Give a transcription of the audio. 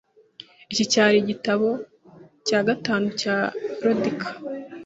Iki cyari igitabo cya gatanu cya Rodica.